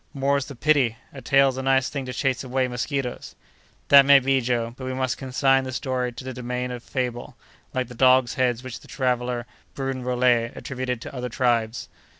"More's the pity! a tail's a nice thing to chase away mosquitoes." "That may be, Joe; but we must consign the story to the domain of fable, like the dogs' heads which the traveller, Brun Rollet, attributed to other tribes."